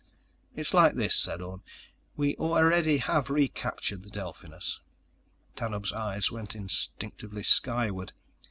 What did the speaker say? _ "It's like this," said Orne. "We already have recaptured the Delphinus." Tanub's eyes went instinctively skyward.